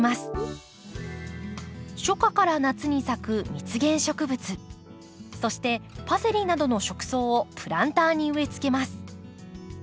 初夏から夏に咲く蜜源植物そしてパセリなどの食草をプランターに植えつけます。